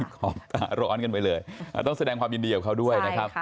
ขอบตาร้อนกันไปเลยต้องแสดงความยินดีกับเขาด้วยนะครับ